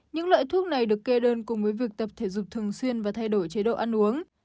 những loại thuốc này được kê đơn cùng với việc tập thể dục thường xuyên và thay đổi chế độ ăn uống